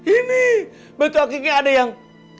ini batu akigi ada yang